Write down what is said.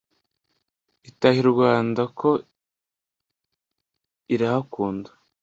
itaha i rwanda ko irahakunda